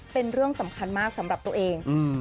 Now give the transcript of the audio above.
เป็นเรื่องสำคัญมากสำหรับตัวเอง